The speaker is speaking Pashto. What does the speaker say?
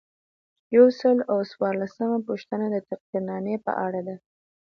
یو سل او څوارلسمه پوښتنه د تقدیرنامې په اړه ده.